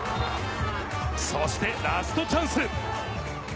そしてラストチャンス。